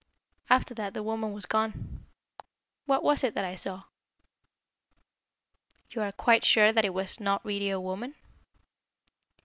After that, the woman was gone. What was it that I saw?" "You are quite sure that it was not really a woman?"